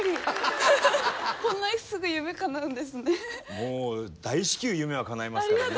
もう大至急夢はかなえますからね。